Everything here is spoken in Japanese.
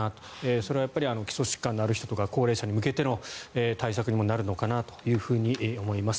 それは基礎疾患がある人とか高齢者に向けての対策にもなるのかなと思います。